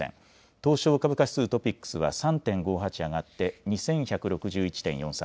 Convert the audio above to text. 東証株価指数・トピックスは３．５８上がって２１６１．４３